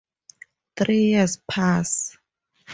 Three years pass.